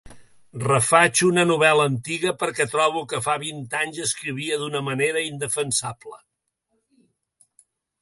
Refaig una novel·la antiga perquè trobo que fa vint anys escrivia d'una manera indefensable.